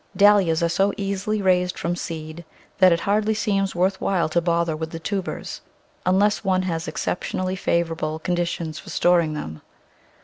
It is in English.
Dahlias are so easily raised from seed that it hardly seems worth while to bother with the tubers, unless one has exceptionally favourable conditions for stor ing them.